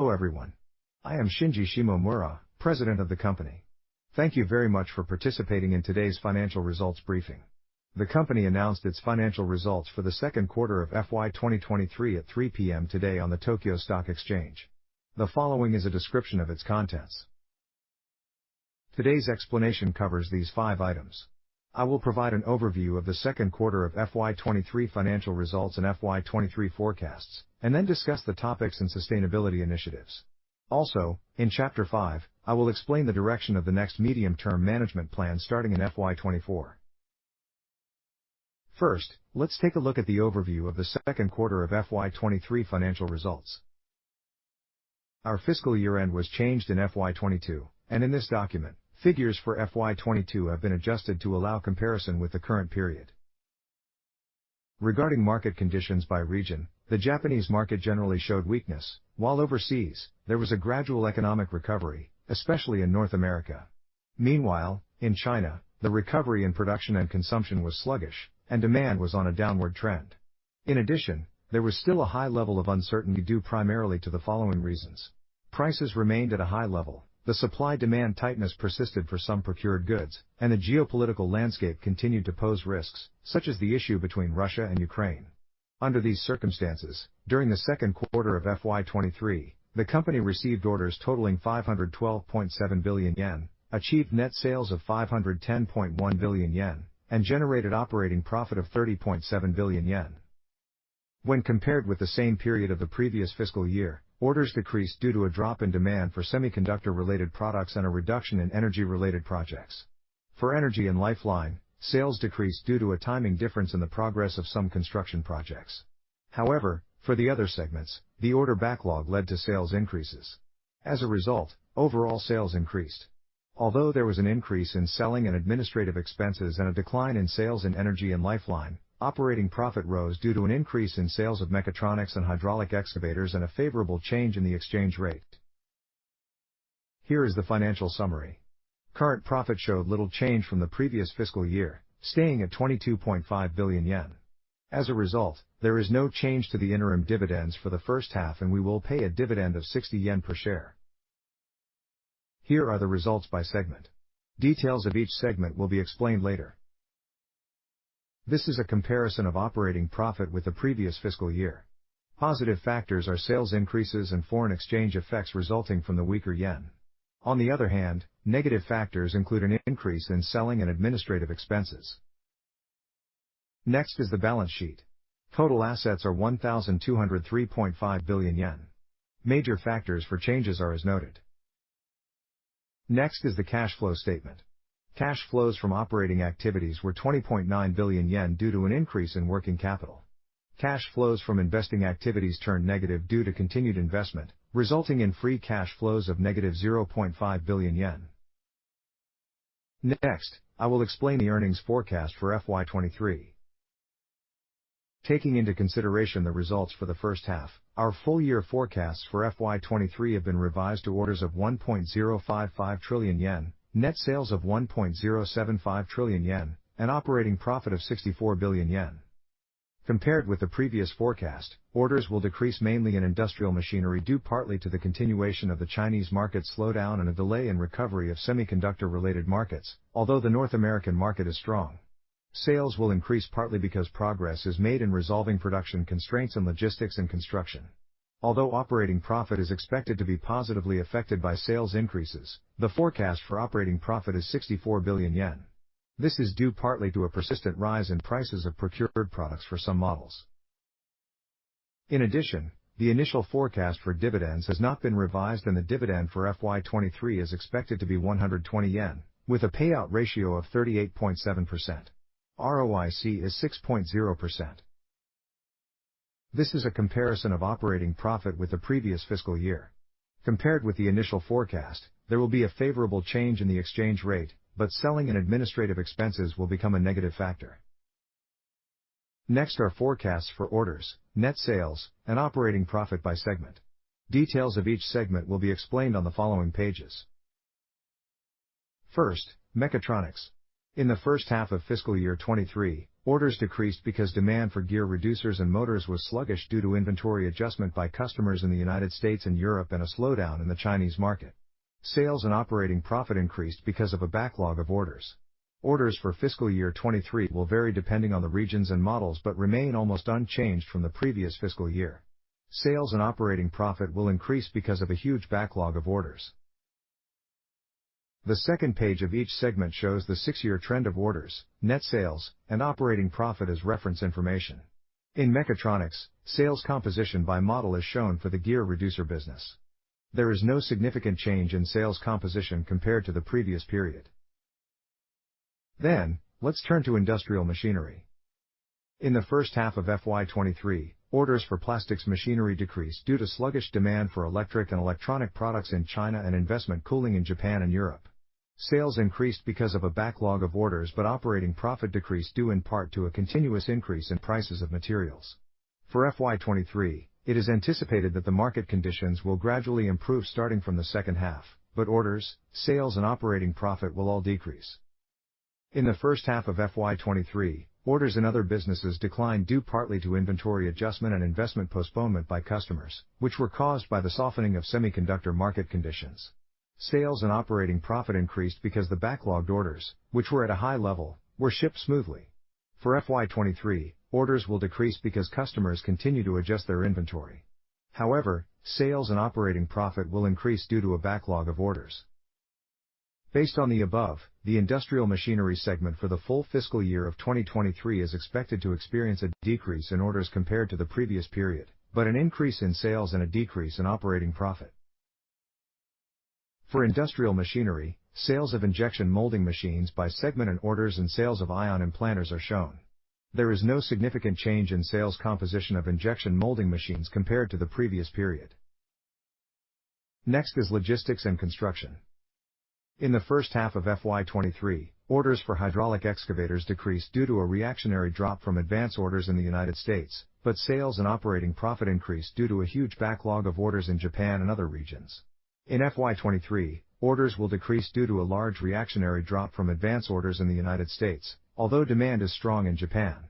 Hello everyone. I am Shinji Shimomura, President of the company. Thank you very much for participating in today's financial results briefing. The company announced its financial results for the second quarter of FY 2023 at 3:00 P.M. today on the Tokyo Stock Exchange. The following is a description of its contents. Today's explanation covers these five items. I will provide an overview of the second quarter of FY 2023 financial results and FY 2023 forecasts, and then discuss the topics and sustainability initiatives. Also, in chapter five, I will explain the direction of the next medium-term management plan starting in FY 2024. First, let's take a look at the overview of the second quarter of FY 2023 financial results. Our fiscal year-end was changed in FY 2022, and in this document, figures for FY 2022 have been adjusted to allow comparison with the current period. Regarding market conditions by region, the Japanese market generally showed weakness, while overseas, there was a gradual economic recovery, especially in North America. Meanwhile, in China, the recovery in production and consumption was sluggish, and demand was on a downward trend. In addition, there was still a high level of uncertainty due primarily to the following reasons: Prices remained at a high level, the supply-demand tightness persisted for some procured goods, and the geopolitical landscape continued to pose risks, such as the issue between Russia and Ukraine. Under these circumstances, during the second quarter of FY 2023, the company received orders totaling 512.7 billion yen, achieved net sales of 510.1 billion yen, and generated operating profit of 30.7 billion yen. When compared with the same period of the previous fiscal year, orders decreased due to a drop in demand for semiconductor-related products and a reduction in energy-related projects. For Energy & Lifeline, sales decreased due to a timing difference in the progress of some construction projects. For the other segments, the order backlog led to sales increases. As a result, overall sales increased. Although there was an increase in selling and administrative expenses and a decline in sales in Energy & Lifeline, operating profit rose due to an increase in sales of Mechatronics and hydraulic excavators and a favorable change in the exchange rate. Here is the financial summary. Current profit showed little change from the previous fiscal year, staying at 22.5 billion yen. As a result, there is no change to the interim dividends for the first half. We will pay a dividend of 60 yen per share. Here are the results by segment. Details of each segment will be explained later. This is a comparison of operating profit with the previous fiscal year. Positive factors are sales increases and foreign exchange effects resulting from the weaker yen. On the other hand, negative factors include an increase in selling and administrative expenses. Next is the balance sheet. Total assets are 1,203.5 billion yen. Major factors for changes are as noted. Next is the cash flow statement. Cash flows from operating activities were 20.9 billion yen due to an increase in working capital. Cash flows from investing activities turned negative due to continued investment, resulting in free cash flows of negative 0.5 billion yen. Next, I will explain the earnings forecast for FY 2023. Taking into consideration the results for the first half, our full-year forecasts for FY 2023 have been revised to orders of 1.055 trillion yen, net sales of 1.075 trillion yen, and operating profit of 64 billion yen. Compared with the previous forecast, orders will decrease mainly in Industrial Machinery due partly to the continuation of the Chinese market slowdown and a delay in recovery of semiconductor-related markets. Although the North American market is strong, sales will increase partly because progress is made in resolving production constraints and Logistics & Construction. Although operating profit is expected to be positively affected by sales increases, the forecast for operating profit is 64 billion yen. This is due partly to a persistent rise in prices of procured products for some models. The initial forecast for dividends has not been revised, and the dividend for FY 2023 is expected to be 120 yen, with a payout ratio of 38.7%. ROIC is 6.0%. This is a comparison of operating profit with the previous fiscal year. Compared with the initial forecast, there will be a favorable change in the exchange rate, but selling and administrative expenses will become a negative factor. Forecasts are for orders, net sales, and operating profit by segment. Details of each segment will be explained on the following pages. First, Mechatronics. In the first half of FY 2023, orders decreased because demand for gear reducers and motors was sluggish due to inventory adjustment by customers in the United States and Europe and a slowdown in the Chinese market. Sales and operating profit increased because of a backlog of orders. Orders for FY 2023 will vary depending on the regions and models, but remain almost unchanged from the previous fiscal year. Sales and operating profit will increase because of a huge backlog of orders. The second page of each segment shows the six-year trend of orders, net sales, and operating profit as reference information. In Mechatronics, sales composition by model is shown for the gear reducer business. There is no significant change in sales composition compared to the previous period. Let's turn to Industrial Machinery. In the first half of FY 2023, orders for plastics machinery decreased due to sluggish demand for electric and electronic products in China and investment cooling in Japan and Europe. Sales increased because of a backlog of orders, but operating profit decreased due in part to a continuous increase in prices of materials. For FY 2023, it is anticipated that the market conditions will gradually improve starting from the second half, but orders, sales, and operating profit will all decrease. In the first half of FY 2023, orders in other businesses declined due partly to inventory adjustment and investment postponement by customers, which were caused by the softening of semiconductor market conditions. Sales and operating profit increased because the backlogged orders, which were at a high level, were shipped smoothly. For FY 2023, orders will decrease because customers continue to adjust their inventory. Sales and operating profit will increase due to a backlog of orders. Based on the above, the Industrial Machinery segment for the full fiscal year of 2023 is expected to experience a decrease in orders compared to the previous period, but an increase in sales and a decrease in operating profit. For Industrial Machinery, sales of injection molding machines by segment and orders and sales of ion implanters are shown. There is no significant change in sales composition of injection molding machines compared to the previous period. Next is Logistics & Construction. In the first half of FY 2023, orders for hydraulic excavators decreased due to a reactionary drop from advance orders in the United States, but sales and operating profit increased due to a huge backlog of orders in Japan and other regions. In FY 2023, orders will decrease due to a large reactionary drop from advance orders in the United States, although demand is strong in Japan.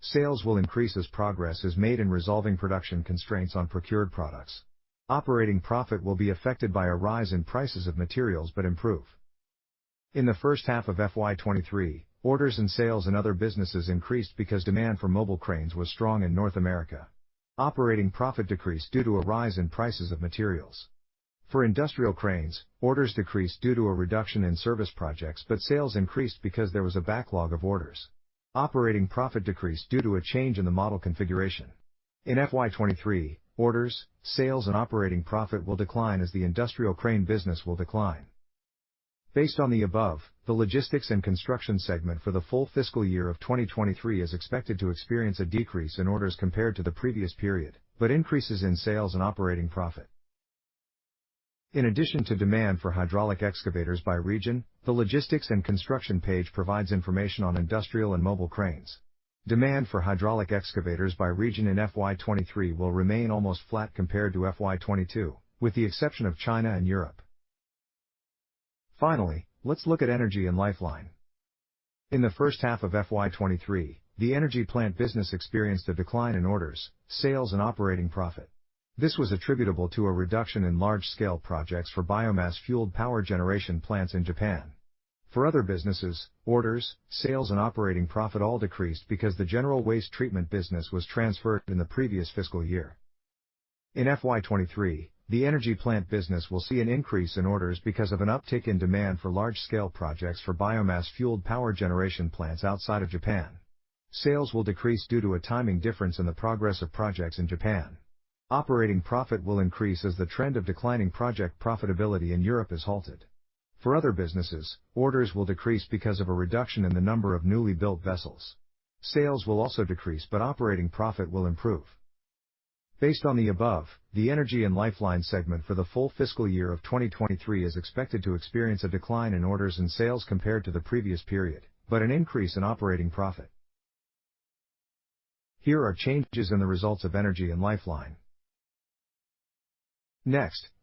Sales will increase as progress is made in resolving production constraints on procured products. Operating profit will be affected by a rise in prices of materials, but improve. In the first half of FY 2023, orders and sales in other businesses increased because demand for mobile cranes was strong in North America. Operating profit decreased due to a rise in prices of materials. For industrial cranes, orders decreased due to a reduction in service projects, but sales increased because there was a backlog of orders. Operating profit decreased due to a change in the model configuration. In FY 2023, orders, sales, and operating profit will decline as the industrial crane business will decline. Based on the above, the Logistics & Construction segment for the full fiscal year of 2023 is expected to experience a decrease in orders compared to the previous period, but increases in sales and operating profit. In addition to demand for hydraulic excavators by region, the Logistics & Construction page provides information on Industrial and Mobile Cranes. Demand for hydraulic excavators by region in FY 2023 will remain almost flat compared to FY 2022, with the exception of China and Europe. Finally, let's look at Energy & Lifeline. In the first half of FY 2023, the energy plant business experienced a decline in orders, sales, and operating profit. This was attributable to a reduction in large-scale projects for biomass-fueled power generation plants in Japan. For other businesses, orders, sales, and operating profit all decreased because the general waste treatment business was transferred in the previous fiscal year. In FY 2023, the energy plant business will see an increase in orders because of an uptick in demand for large-scale projects for biomass-fueled power generation plants outside of Japan. Sales will decrease due to a timing difference in the progress of projects in Japan. Operating profit will increase as the trend of declining project profitability in Europe is halted. Other businesses, orders will decrease because of a reduction in the number of newly built vessels. Sales will also decrease, but operating profit will improve. Based on the above, the Energy & Lifeline segment for the full fiscal year of 2023 is expected to experience a decline in orders and sales compared to the previous period, but an increase in operating profit. Here are changes in the results of Energy & Lifeline.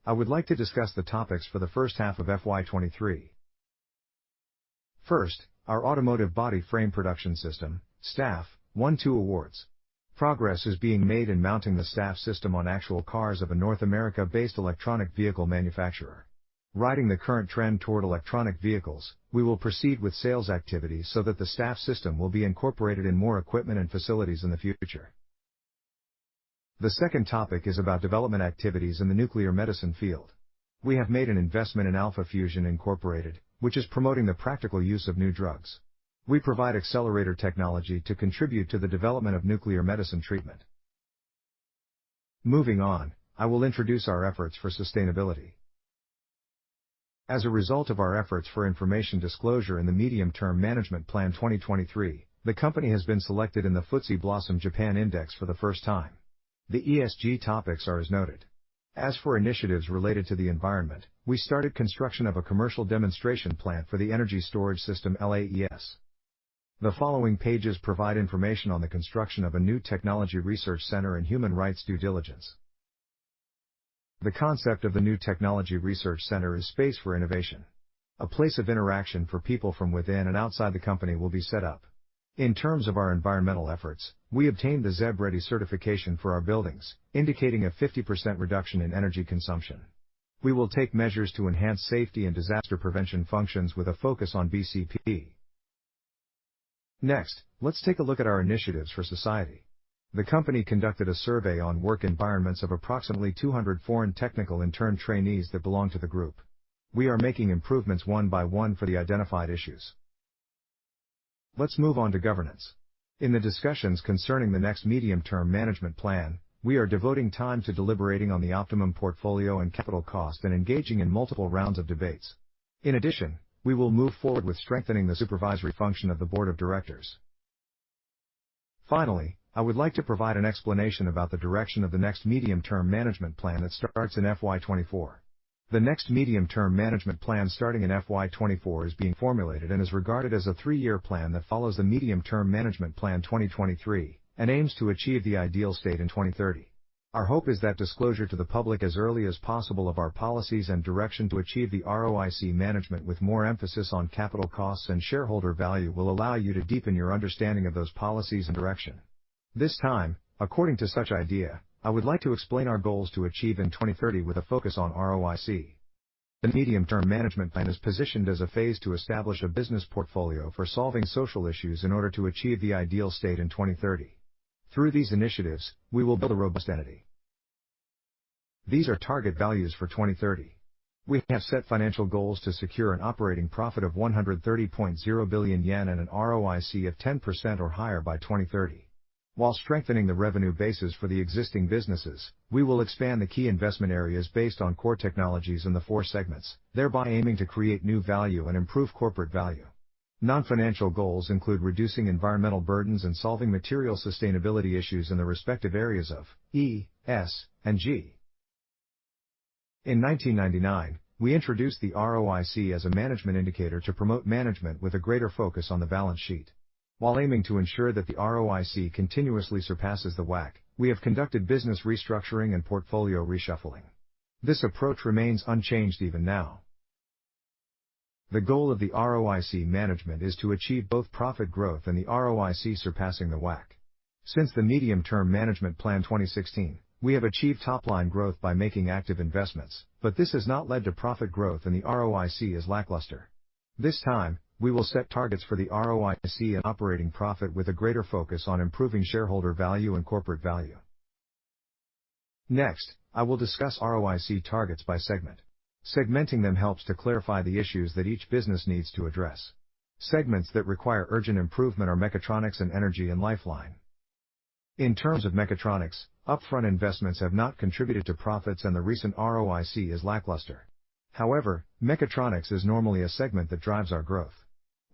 I would like to discuss the topics for the first half of FY 2023. First, our automotive body frame production system, STAF, won two awards. Progress is being made in mounting the STAF system on actual cars of a North America-based electric vehicle manufacturer. Riding the current trend toward electric vehicles, we will proceed with sales activities so that the STAF system will be incorporated in more equipment and facilities in the future. The second topic is about development activities in the nuclear medicine field. We have made an investment in Alpha Fusion Inc, which is promoting the practical use of new drugs. We provide accelerator technology to contribute to the development of nuclear medicine treatment. Moving on, I will introduce our efforts for sustainability. As a result of our efforts for information disclosure in the Medium-Term Management Plan 2023, the company has been selected in the FTSE Blossom Japan Index for the first time. The ESG topics are as noted. As for initiatives related to the environment, we started construction of a commercial demonstration plant for the energy storage system LAES. The following pages provide information on the construction of a new technology research center and human rights due diligence. The concept of the new technology research center is space for innovation, a place of interaction for people from within and outside the company will be set up. In terms of our environmental efforts, we obtained the ZEB Ready certification for our buildings, indicating a 50% reduction in energy consumption. We will take measures to enhance safety and disaster prevention functions with a focus on BCP. Next, let's take a look at our initiatives for society. The company conducted a survey on work environments of approximately 200 foreign technical intern trainees that belong to the group. We are making improvements one by one for the identified issues. Let's move on to governance. In the discussions concerning the next Medium-Term Management Plan, we are devoting time to deliberating on the optimum portfolio and capital cost and engaging in multiple rounds of debates. In addition, we will move forward with strengthening the supervisory function of the board of directors. Finally, I would like to provide an explanation about the direction of the next Medium-Term Management Plan that starts in FY 2024. The next Medium-Term Management Plan starting in FY 2024 is being formulated and is regarded as a three-year plan that follows the Medium-Term Management Plan 2023 and aims to achieve the ideal state in 2030. Our hope is that disclosure to the public as early as possible of our policies and direction to achieve the ROIC management with more emphasis on capital costs and shareholder value will allow you to deepen your understanding of those policies and direction. This time, according to such idea, I would like to explain our goals to achieve in 2030 with a focus on ROIC. The Medium-Term Management Plan is positioned as a phase to establish a business portfolio for solving social issues in order to achieve the ideal state in 2030. Through these initiatives, we will build a robust entity. These are target values for 2030. We have set financial goals to secure an operating profit of 130.0 billion yen and an ROIC of 10% or higher by 2030. While strengthening the revenue bases for the existing businesses, we will expand the key investment areas based on core technologies in the four segments, thereby aiming to create new value and improve corporate value. Non-financial goals include reducing environmental burdens and solving material sustainability issues in the respective areas of E, S, and G. In 1999, we introduced the ROIC as a management indicator to promote management with a greater focus on the balance sheet. While aiming to ensure that the ROIC continuously surpasses the WACC, we have conducted business restructuring and portfolio reshuffling. This approach remains unchanged even now. The goal of the ROIC management is to achieve both profit growth and the ROIC surpassing the WACC. Since the Medium-Term Management Plan 2016, we have achieved top-line growth by making active investments, this has not led to profit growth, and the ROIC is lackluster. This time, we will set targets for the ROIC and operating profit with a greater focus on improving shareholder value and corporate value. Next, I will discuss ROIC targets by segment. Segmenting them helps to clarify the issues that each business needs to address. Segments that require urgent improvement are Mechatronics and Energy & Lifeline. In terms of Mechatronics, upfront investments have not contributed to profits, and the recent ROIC is lackluster. Mechatronics is normally a segment that drives our growth.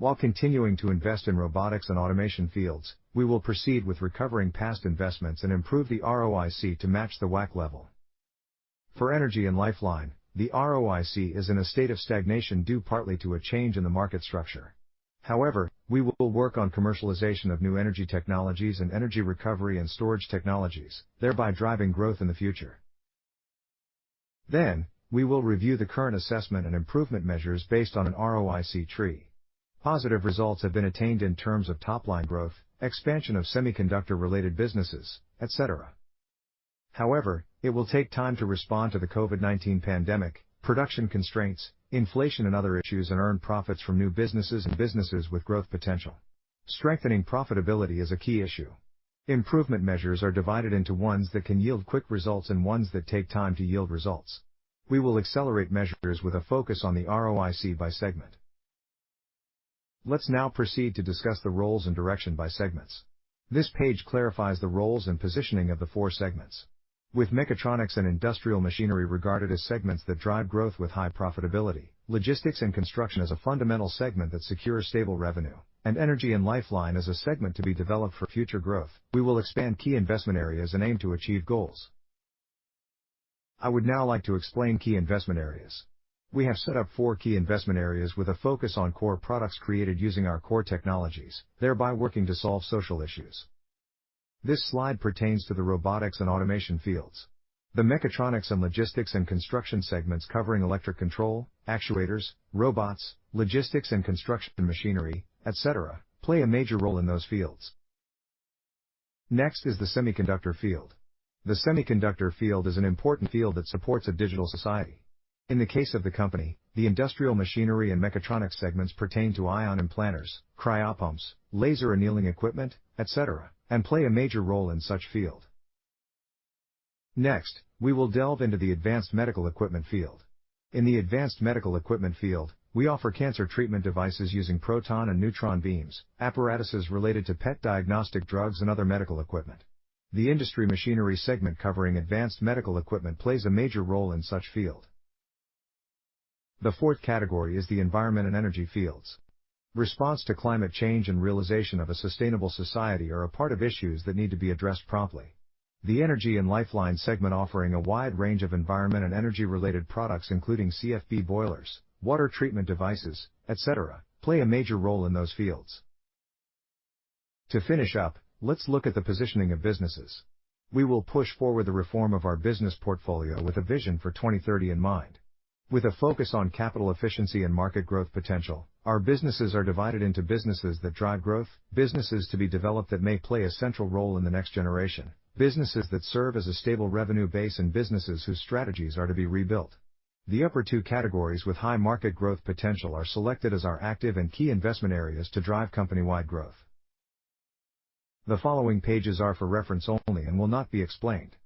While continuing to invest in robotics and automation fields, we will proceed with recovering past investments and improve the ROIC to match the WACC level. For Energy & Lifeline, the ROIC is in a state of stagnation due partly to a change in the market structure. We will work on commercialization of new energy technologies and energy recovery and storage technologies, thereby driving growth in the future. We will review the current assessment and improvement measures based on an ROIC tree. Positive results have been attained in terms of top-line growth, expansion of semiconductor-related businesses, etc. It will take time to respond to the COVID-19 pandemic, production constraints, inflation and other issues, and earn profits from new businesses and businesses with growth potential. Strengthening profitability is a key issue. Improvement measures are divided into ones that can yield quick results and ones that take time to yield results. We will accelerate measures with a focus on the ROIC by segment. Let's now proceed to discuss the roles and direction by segments. This page clarifies the roles and positioning of the four segments. With Mechatronics and Industrial Machinery regarded as segments that drive growth with high profitability, Logistics & Construction as a fundamental segment that secures stable revenue, and Energy & Lifeline as a segment to be developed for future growth, we will expand key investment areas and aim to achieve goals. I would now like to explain key investment areas. We have set up four key investment areas with a focus on core products created using our core technologies, thereby working to solve social issues. This slide pertains to the robotics and automation fields. The Mechatronics and Logistics & Construction segments, covering electric control, actuators, robots, logistics and construction machinery, etc., play a major role in those fields. Next is the semiconductor field. The semiconductor field is an important field that supports a digital society. In the case of the company, the Industrial Machinery and Mechatronics segments pertain to ion implanters, cryopumps, laser annealing equipment, etc., and play a major role in such field. Next, we will delve into the advanced medical equipment field. In the advanced medical equipment field, we offer cancer treatment devices using proton and neutron beams, apparatuses related to PET diagnostic drugs, and other medical equipment. The Industrial Machinery segment, covering advanced medical equipment, plays a major role in such field. The fourth category is the environment and energy fields. Response to climate change and realization of a sustainable society are a part of issues that need to be addressed promptly. The Energy & Lifeline segment, offering a wide range of environment and energy-related products, including CFB boilers, water treatment devices, etc., play a major role in those fields. To finish up, let's look at the positioning of businesses. We will push forward the reform of our business portfolio with a vision for 2030 in mind. With a focus on capital efficiency and market growth potential, our businesses are divided into businesses that drive growth, businesses to be developed that may play a central role in the next generation, businesses that serve as a stable revenue base, and businesses whose strategies are to be rebuilt. The upper two categories with high market growth potential are selected as our active and key investment areas to drive company-wide growth. The following pages are for reference only and will not be explained.